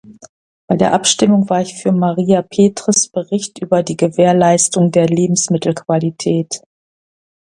Bei der Abstimmung war ich für Maria Petres Bericht über die Gewährleistung der Lebensmittelqualität.